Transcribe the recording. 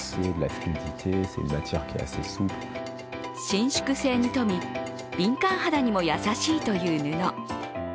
伸縮性に富み、敏感肌にも優しいという布。